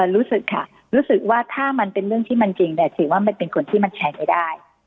รู้สึกค่ะรู้สึกว่าถ้ามันเป็นเรื่องที่มันจริงเนี่ยถือว่ามันเป็นคนที่มันแชร์ไม่ได้